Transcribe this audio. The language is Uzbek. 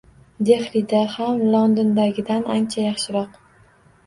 Dehlida ham Londondagidan ancha yaxshiroq.